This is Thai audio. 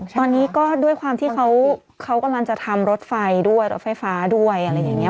ตอนนี้ก็ด้วยความที่เขากำลังจะทำรถไฟด้วยรถไฟฟ้าด้วยอะไรอย่างนี้